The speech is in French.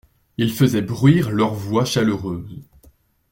Ils faisaient bruire leurs voix chaleureuses.